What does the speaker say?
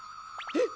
えっ！？